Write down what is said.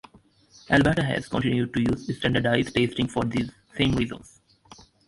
Alberta has continued to use standardized testing for these same reasons.